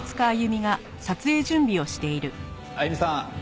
あゆみさん